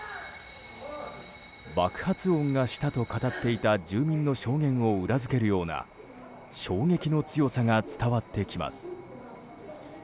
爆発音がしたと語っていた住民の証言を裏付けるような衝撃の強さが伝わってきます。